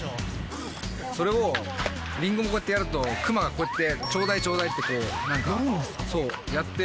それを、リンゴ、こうやってやると、クマがこうやって、ちょうだいちょうだいって、こう、なんかやって。